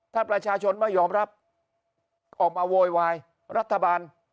ถ้าประชาชนไม่ยอมรับออกมาโวยวายรัฐบาล